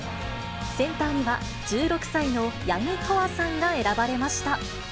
センターには、１６歳の八木仁愛さんが選ばれました。